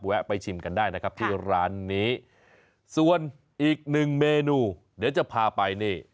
ไปชิมกันได้นะครับที่ร้านนี้ส่วนอีกหนึ่งเมนูเดี๋ยวจะพาไปนี่